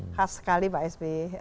khas sekali pak sby